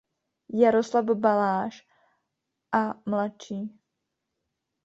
Jaroslav Baláž a mjr.